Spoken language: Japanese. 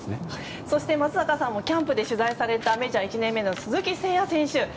そして、松坂さんもキャンプで取材されたメジャー１年目の鈴木誠也選手。